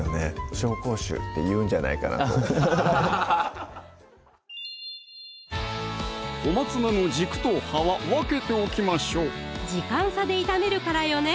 紹興酒って言うんじゃないかなと小松菜の軸と葉は分けておきましょう時間差で炒めるからよね